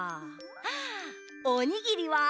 あおにぎりは？